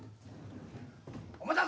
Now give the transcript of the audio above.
「お待たせ」